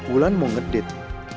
ulan mau ngedate